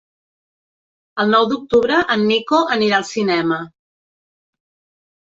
El nou d'octubre en Nico anirà al cinema.